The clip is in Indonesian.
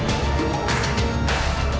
teknologi dimana ya